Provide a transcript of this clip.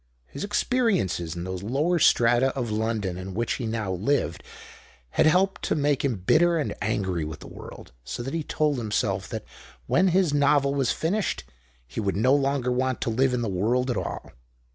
His experiences in those lower strata of London in which he now lived had helped to make him bitter and angry with the world, so that he told himself that wlien his novel was finished he would no longer want to live in the world at all.